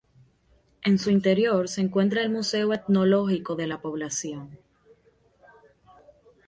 En su interior se encuentra el museo etnológico de la población.